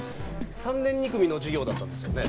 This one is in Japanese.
３年２組の授業だったんですよね。